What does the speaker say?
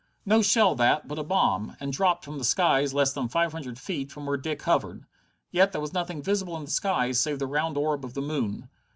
No shell that, but a bomb, and dropped from the skies less than five hundred feet from where Dick hovered. Yet there was nothing visible in the skies save the round orb of the moon.